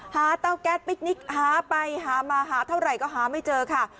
เตาแก๊สปิ๊กนิกหาไปหามาหาเท่าไหร่ก็หาไม่เจอค่ะ